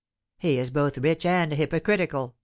"He is both rich and hypocritical!"